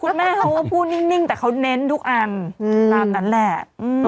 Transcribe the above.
คุณแม่เขาก็พูดนิ่งแต่เขาเน้นทุกอันตามนั้นแหละ